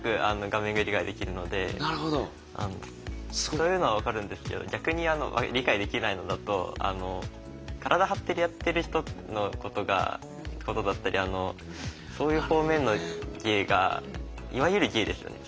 そういうのは分かるんですけど逆に理解できないのだと体張ってやってる人のことだったりそういう方面の芸がいわゆる芸ですよね。